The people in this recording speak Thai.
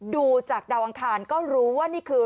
ดูจากดาวอังคารก็รู้ว่านี่คือ